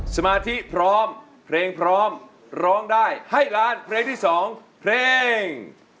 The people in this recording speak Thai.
สมาธิพร้อมเพลงพร้อมร้องได้ให้ล้านเพลงที่๒เพลง